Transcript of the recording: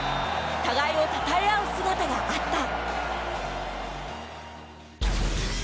互いをたたえ合う姿があった。